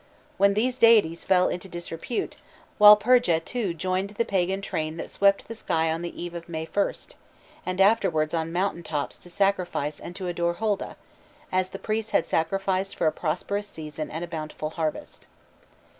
When these deities fell into disrepute, Walpurga too joined the pagan train that swept the sky on the eve of May first, and afterwards on mountain tops to sacrifice and to adore Holda, as the priests had sacrificed for a prosperous season and a bountiful harvest.